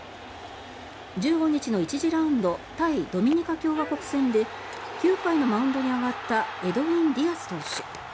１５日の１次ラウンド対ドミニカ共和国戦で９回のマウンドに上がったエドウィン・ディアス選手。